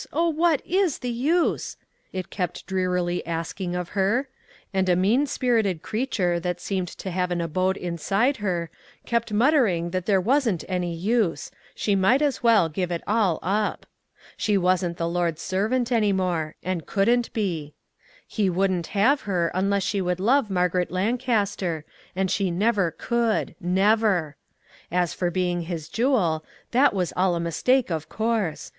Oh, what is the use? " it kept drearily asking of her ; and a mean spir ited creature, that seemed to have an abode in side her, kept muttering that there wasn't any use ; she might as well give it all up. She wasn't the Lord's servant any more; and couldn't be. He wouldn't have her unless she would love Margaret Lancaster ; and she never could, never! As for being his jewel, that was all a mistake, of course.